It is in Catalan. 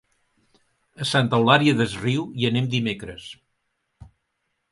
A Santa Eulària des Riu hi anem dimecres.